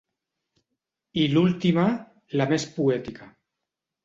I l'última, la més poètica.